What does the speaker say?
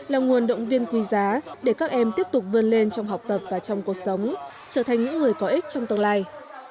là nguồn động viên quý giá để các em tiếp tục vươn lên trong học tập và trong cuộc sống trở thành những người có ích trong tương lai